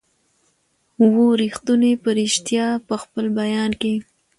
وو ریښتونی په ریشتیا په خپل بیان کي